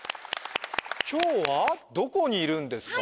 今日はどこにいるんですか？